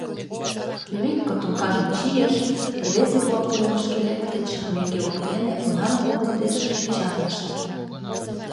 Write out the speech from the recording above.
Юрик котомкажым чийыш, рвезе-влак уремышке лектыч, меҥге воктене, понарын волгыдешыже, чарнышт.